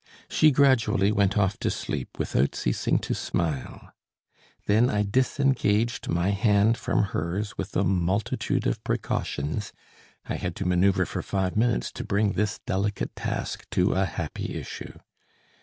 She gradually went off to sleep, without ceasing to smile. Then I disengaged my hand from hers with a multitude of precautions. I had to manoeuvre for five minutes to bring this delicate task to a happy issue.